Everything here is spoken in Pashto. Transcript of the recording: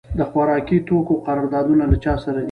د خوراکي توکو قراردادونه له چا سره دي؟